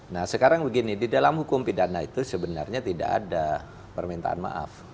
nah sekarang begini di dalam hukum pidana itu sebenarnya tidak ada permintaan maaf